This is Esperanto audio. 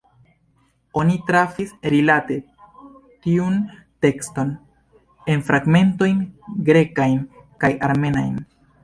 Oni trafis, rilate tiun tekston, en fragmentojn grekajn kaj armenajn.